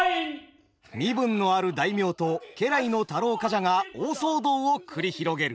身分のある大名と家来の太郎冠者が大騒動を繰り広げる。